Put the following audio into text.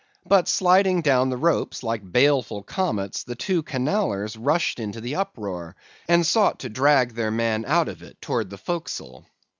But sliding down the ropes like baleful comets, the two Canallers rushed into the uproar, and sought to drag their man out of it towards the forecastle.